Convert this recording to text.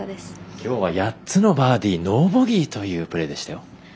きょうは８つのバーディーノーボギーというプレーでしたよ。